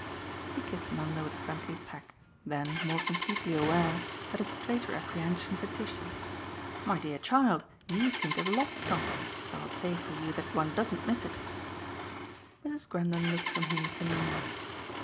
He kissed Nanda with a friendly peck, then, more completely aware, had a straighter apprehension for Tishy. "My dear child, YOU seem to have lost something, though I'll say for you that one doesn't miss it." Mrs. Grendon looked from him to Nanda.